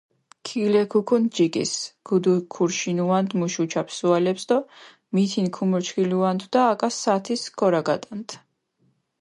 ქიგლექუქუდჷ ჯიკის, ქუდუთქურშინუანდჷ მუშ უჩა ფსუალეფს დო მითინ ქუმურჩქილუანდუ-და, აკა საათის ქორაგადანდჷ.